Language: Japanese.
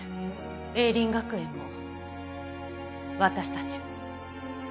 栄林学園も私たちも。